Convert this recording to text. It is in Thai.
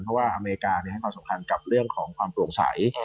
เพราะว่าอเมริกาให้ความสำคัญกับเรื่องของความโปร่งใส